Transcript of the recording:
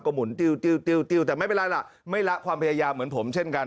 หมุนติ้วติ้วแต่ไม่เป็นไรล่ะไม่ละความพยายามเหมือนผมเช่นกัน